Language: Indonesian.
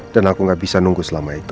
dan aku nggak bisa nunggu selama itu